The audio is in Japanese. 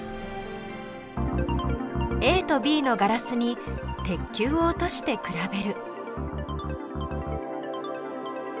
ＡとＢのガラスに鉄球を落として比べる。